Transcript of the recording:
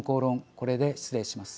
これで失礼します。